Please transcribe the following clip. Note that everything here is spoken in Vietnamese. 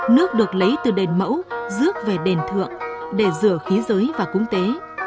nước được lấy từ đền mẫu rước về đền thượng để rửa khí giới và cúng tế